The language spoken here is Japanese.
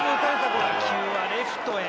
打球はレフトへ。